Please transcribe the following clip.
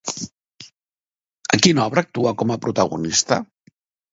A quina obra actua com a protagonista?